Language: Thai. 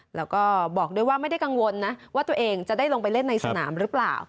แล้วก็บอกด้วยว่าไม่ได้กังวลนะว่าตัวเองจะได้ลงไปเล่นในสนามหรือเปล่า